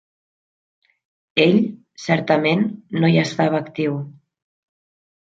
Ell, certament, no hi estava actiu.